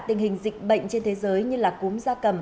tình hình dịch bệnh trên thế giới như là cúm da cầm